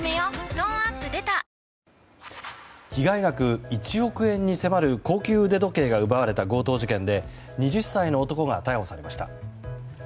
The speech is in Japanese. トーンアップ出た被害額１億円に迫る高級腕時計が奪われた強盗事件で２０歳の男が逮捕されました。